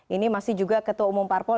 ini masih juga ketua umum parpol